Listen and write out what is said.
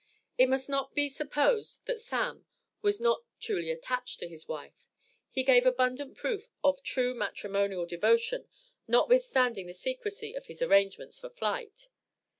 It must not be supposed that "Sam" was not truly attached to his wife. He gave abundant proof of true matrimonial devotion, notwithstanding the secrecy of his arrangements for flight.